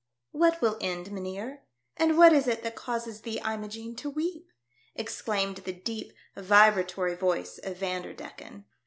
" What will end, mynheer? And what is it that causes thee, Imogene, to weep ?" ex claimed the deep, vibratory voice of Vander decken.